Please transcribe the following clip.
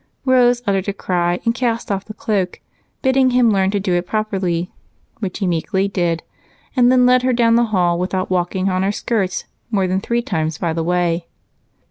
Rose uttered a cry and cast off the cloak, bidding him learn to do it properly, which he meekly did and then led her down the hall without walking on her skirts more than three times on the way.